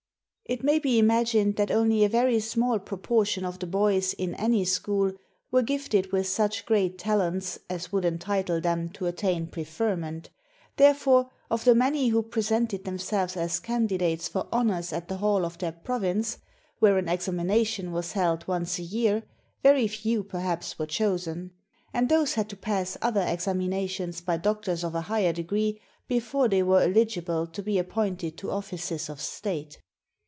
It may be imagined that only a very small propor tion of the boys in any school were gifted with such great talents as would entitle them to attain prefer ment; therefore, of the many who presented themselves as candidates for honors at the hall of their province, where an examination was held once a year, very few 70 THE FOUNDING OF HAN LIN COLLEGE perhaps were chosen ; and those had to pass other exam inations by doctors of a higher degree before they were eligible to be appointed to offices of state.